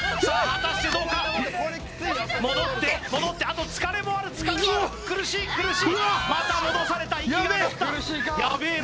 果たしてどうか戻って戻ってあと疲れもある疲れもある苦しい苦しいまた戻された息が上がったやべー